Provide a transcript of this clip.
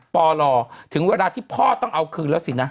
ปลถึงเวลาที่พ่อต้องเอาคืนแล้วสินะ